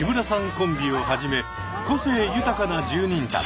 コンビをはじめ個性豊かな住人たち。